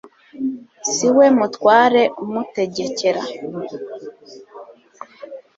si we mutware umutegekera